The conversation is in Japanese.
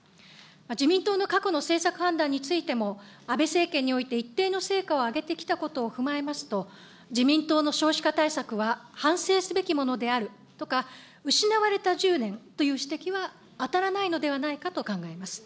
自民党の過去の政策判断についても、安倍政権において、一定の成果を上げてきたことを踏まえますと、自民党の少子化対策は、反省すべきものであるとか、失われた１０年という指摘は当たらないのではないかと考えます。